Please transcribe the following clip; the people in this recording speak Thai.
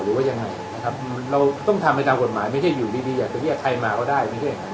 เราต้องทำทางกฎหมายไม่แค่อยู่ดีอยากจะเรียกใครมาก็ได้